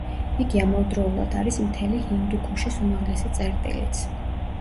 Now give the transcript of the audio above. იგი ამავდროულად არის მთელი ჰინდუქუშის უმაღლესი წერტილიც.